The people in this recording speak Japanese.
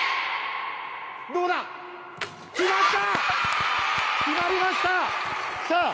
どうだ、決まった！